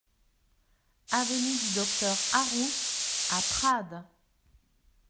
Avenue du Docteur Arrous à Prades